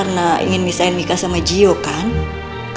tera dengan m markas tersebut dong